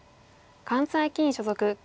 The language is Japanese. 関西棋院所属。